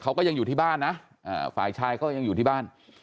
เขาก็ยังอยู่ที่บ้านนะฝ่ายชายก็ยังอยู่ที่บ้าน